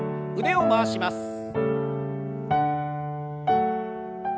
腕を回します。